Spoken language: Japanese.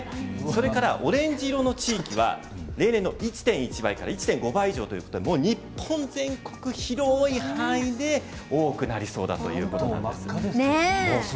オレンジ色の地域は例年の１．１倍から１．５倍以上日本全国、広い範囲で多くなりそうだということなんです。